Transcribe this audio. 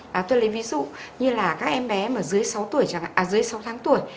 và tôi lấy ví dụ như là các em bé mà dưới sáu tháng tuổi